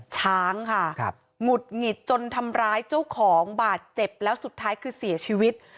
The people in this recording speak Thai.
ช้างค่ะหงุดหงิดจนทำร้ายเจ้าของบาดเจ็บแล้วสุดท้ายคือเสียชีวิต